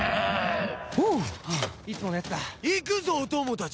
いつものやつだ。